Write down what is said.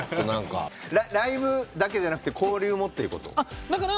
ライブだけじゃなくて交流もっていうこと？